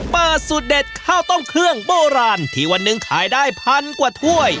สูตรเด็ดข้าวต้มเครื่องโบราณที่วันหนึ่งขายได้พันกว่าถ้วย